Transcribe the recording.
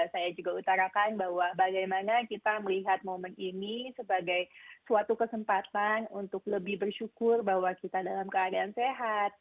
saya juga utarakan bahwa bagaimana kita melihat momen ini sebagai suatu kesempatan untuk lebih bersyukur bahwa kita dalam keadaan sehat